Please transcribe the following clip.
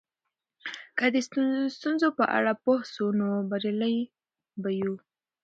که د ستونزو په اړه پوه سو نو بریالي به یو.